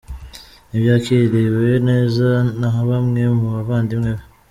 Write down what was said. Ntibyakiriwe neza na bamwe mu bavandimwe be.